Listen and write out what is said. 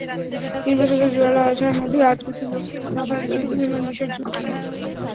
তিন বছর ধরে জোরালো আলোচনার মধ্যেই আটকে ছিল রাফায়েল যুদ্ধবিমান বিষয়ের চুক্তি।